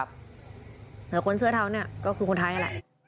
แต่คนเสื้อเทาเนี่ยก็คือคนไทยนั่นแหละ